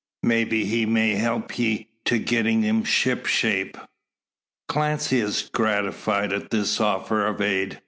Maybe he may help ye to gettin' 'em ship shape." Clancy is gratified at this offer of aid.